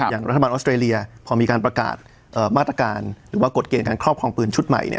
อย่างรัฐบาลออสเตรเลียพอมีการประกาศมาตรการหรือว่ากฎเกณฑ์การครอบครองปืนชุดใหม่